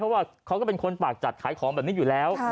เพราะว่าเขาก็เป็นคนปากจัดขายของแบบนี้อยู่แล้ว